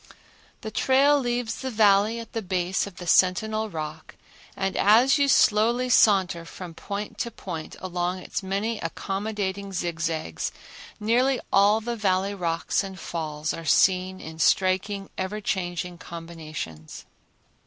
The trail leaves the Valley at the base of the Sentinel Rock, and as you slowly saunter from point to point along its many accommodating zigzags nearly all the Valley rocks and falls are seen in striking, ever changing combinations.